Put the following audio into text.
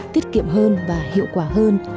tiết kiệm hơn và hiệu quả hơn